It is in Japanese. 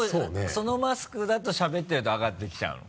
そのマスクだとしゃべってると上がってきちゃうの？